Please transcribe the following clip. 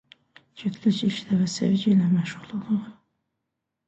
Cütlük ilk dəfə sevgi ilə məşğul olur.